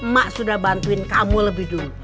mak sudah bantuin kamu lebih dulu